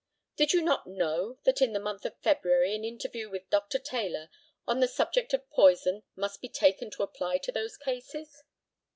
Did you not know that in the month of February an interview with Dr. Taylor on the subject of poison must be taken to apply to those cases?